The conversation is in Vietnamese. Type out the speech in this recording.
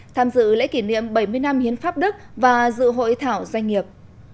tham dự lễ kỷ niệm bảy mươi năm hiến pháp đức và dự hội thảo doanh nghiệp